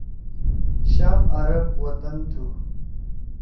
شام عرب وطن تُھو۔